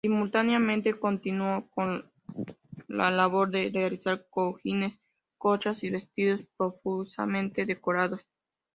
Simultáneamente continúo con la labor de realizar cojines, colchas y vestidos profusamente decorados.